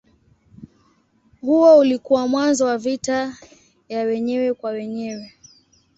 Huo ulikuwa mwanzo wa vita ya wenyewe kwa wenyewe.